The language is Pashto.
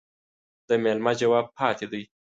د ميلمه جواب پاتى دى.